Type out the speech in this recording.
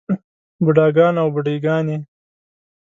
بوډاګان او بوډے ګانے